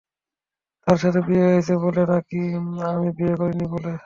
তার সাথে বিয়ে হয়েছে বলে না কি আমি বিয়ে করিনি বলে?